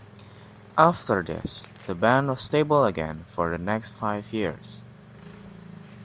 After this, the band was stable again for the next five years.